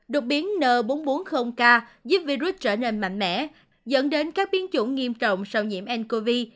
đột biến n bốn trăm bốn mươi k giúp virus trở nên mạnh mẽ dẫn đến các biến chủng nghiêm trọng sau nhiễm ncov